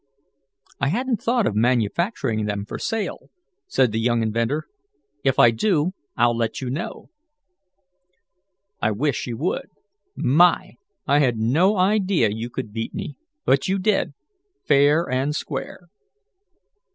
"I hadn't thought of manufacturing them for sale," said the young inventor. "If I do, I'll let you know." "I wish you would. My! I had no idea you could beat me, but you did fair and square."